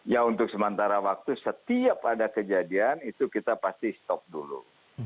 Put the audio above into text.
ya untuk sementara waktu setiap ada kejadian itu kita pasti stop dulu